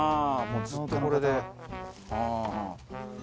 もうずっとこれで。